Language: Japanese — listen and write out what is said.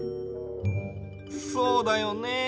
そうだよね。